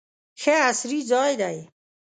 ښه عصري ځای دی.